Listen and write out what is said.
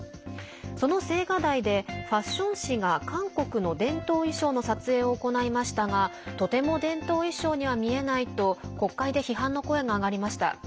その青瓦台でファッション誌が韓国の伝統衣装の撮影を行いましたがとても伝統衣装には見えないと国会で批判の声が上がりました。